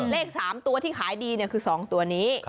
เลขสามตัวที่ขายดีเนี่ยคือสองตัวนี้